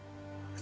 私。